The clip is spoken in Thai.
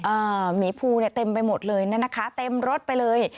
หมีภูเนี่ยเต็มไปหมดเลยนะคะเต็มรถไปเลย